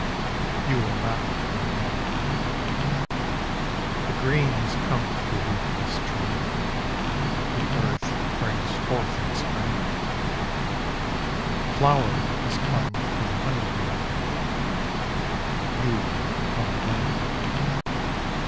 YOU WILL NOT COME AGAIN The green has come to the leafless tree, The earth brings forth its grain; The flower has come for the honey bee: You will not come again.